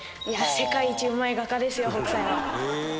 世界一うまい画家ですよ北斎は。